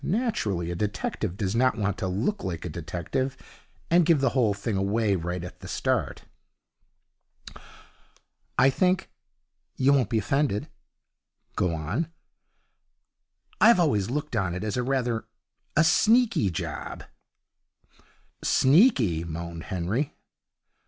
Naturally a detective does not want to look like a detective and give the whole thing away right at the start. 'I think you won't be offended?' 'Go on.' 'I've always looked on it as rather a sneaky job.' 'Sneaky!' moaned Henry.